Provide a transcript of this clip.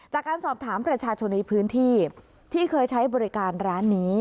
จากการสอบถามประชาชนในพื้นที่ที่เคยใช้บริการร้านนี้